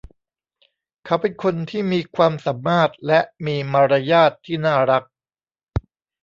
เขาเป็นคนที่มีความสามารถและมีมารยาทที่น่ารัก